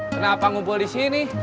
kenapa ngumpul disini